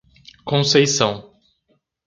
Conceição